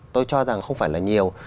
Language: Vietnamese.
tôi cho rằng không phải là nhiều